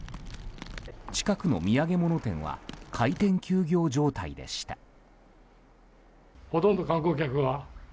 近くの土産物店は開店休業状態でした。